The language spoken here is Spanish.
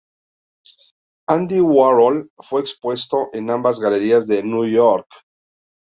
Andy Warhol fue expuesto en ambas galerías de Nueva York.